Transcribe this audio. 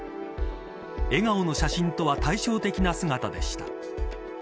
笑顔の写真とは対照的な姿でした。